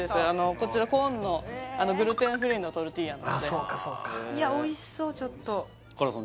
こちらコーンのグルテンフリーのトルティーヤなのでああそうかそうかいやおいしそうちょっと笠原さん